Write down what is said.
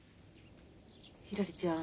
ひらりちゃん